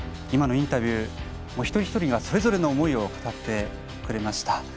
今のインタビュー、一人一人がそれぞれの思いを語ってくれました。